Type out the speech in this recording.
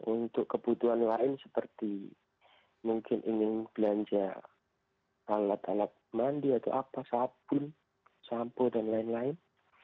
untuk kebutuhan lain seperti mungkin ingin belanja alat alat mandi atau apa sabun sampo dan lain lain